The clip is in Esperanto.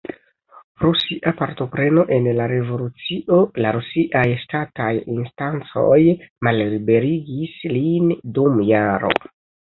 Pro sia partopreno en la revolucio la rusiaj ŝtataj instancoj malliberigis lin dum jaro.